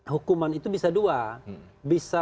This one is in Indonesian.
hukuman itu bisa dua